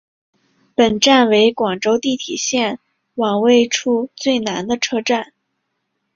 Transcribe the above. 本站为广州地铁线网位处最南的车站。